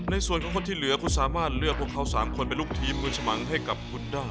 ในส่วนของคนที่เหลือคุณสามารถเลือกพวกเขา๓คนเป็นลูกทีมมือฉมังให้กับคุณได้